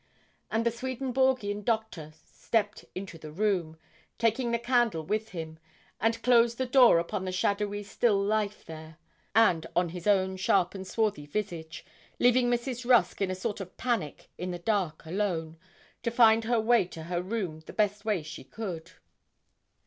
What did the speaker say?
And the Swedenborgian Doctor stepped into the room, taking the candle with him, and closed the door upon the shadowy still life there, and on his own sharp and swarthy visage, leaving Mrs. Rusk in a sort of panic in the dark alone, to find her way to her room the best way she could.